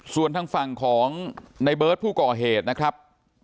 ส่วนทางฝั่งของในเบิร์ตผู้ก่อเหตุนะครับ